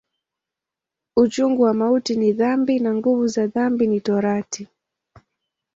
Uchungu wa mauti ni dhambi, na nguvu za dhambi ni Torati.